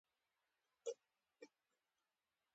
د یووالي په برکت.